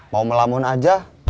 mau ngelamun aja